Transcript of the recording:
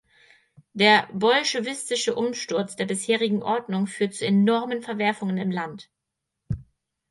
Der bolschewistische Umsturz der bisherigen Ordnung führt zu enormen Verwerfungen im Land.